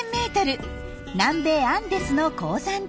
南米アンデスの高山地帯。